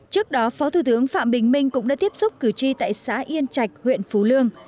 trước đó phó thủ tướng phạm bình minh cũng đã tiếp xúc cử tri tại xã yên trạch huyện phú lương